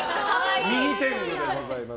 ミニ天狗でございます。